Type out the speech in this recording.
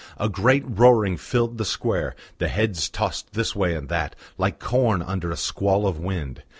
A great roaring filled the square, the heads tossed this way and that, like corn under a squall of wind.